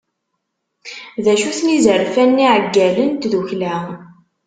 D acu-ten yizerfan n yiɛeggalen n tddukkla?